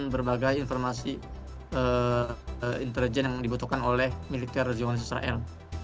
berbagai informasi intelijen yang dibutuhkan oleh milita israel